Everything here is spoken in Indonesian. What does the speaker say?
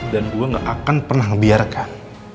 dan gue gak akan pernah ngebiarkan